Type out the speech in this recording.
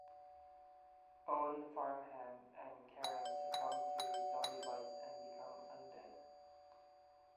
Owen the farmhand and Karen succumb to zombie bites and become undead.